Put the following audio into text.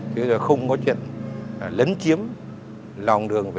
chứ không có chuyện lấn chiếm lòng đường về hẻ